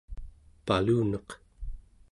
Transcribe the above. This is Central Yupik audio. paluneq